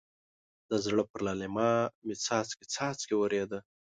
د زړه پر للمه مې څاڅکی څاڅکی ورېده.